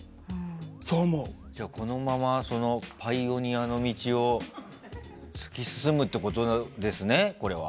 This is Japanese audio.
このままパイオニアの道を突き進むってことですね、これは。